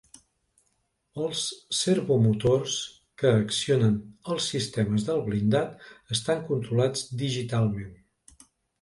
Els servomotors que accionen els sistemes del blindat estan controlats digitalment.